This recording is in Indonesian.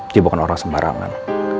dia bukan orang sembarangan